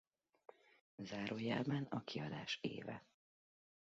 Zárójelben a kiadás éve.